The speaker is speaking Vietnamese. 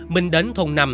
minh đến thùng năm